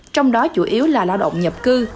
trong đó chủ yếu là lao động nhập cư